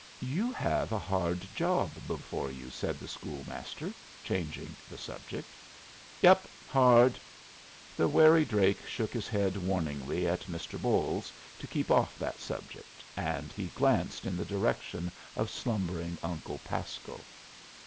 "You have a hard job before you," said the school master, changing the subject. "Yep. Hard." The wary Drake shook his head warningly at Mr. Bolles to keep off that subject, and he glanced in the direction of slumbering Uncle Pasco.